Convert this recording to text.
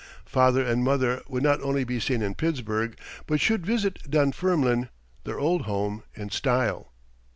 Father and mother would not only be seen in Pittsburgh, but should visit Dunfermline, their old home, in style.